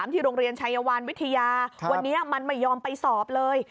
ที่โรงเรียนชายวานวิทยาวันนี้มันไม่ยอมไปสอบเลย